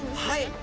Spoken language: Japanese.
はい。